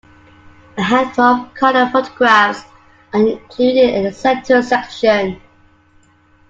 A handful of color photographs are included in a center section.